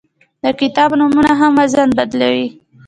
د کتاب نومونه هم وزن بدلوي.